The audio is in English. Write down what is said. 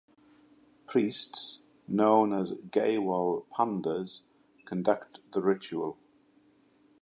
Priests, known as Gaywal-pandas, conduct the ritual.